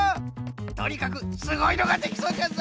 とにかくすごいのができそうじゃぞ。